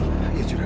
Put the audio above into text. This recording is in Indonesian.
iya sudah kan